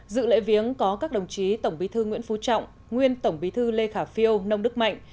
dự lễ viếng có các đồng chí tổng bí thư nguyễn phú trọng nguyên tổng bí thư lê khả phiêu nông đức mạnh